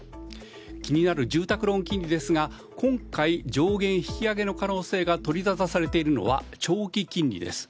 気になる住宅ローン金利ですが今回、上限引き上げの可能性が取りざたされているのは長期金利です。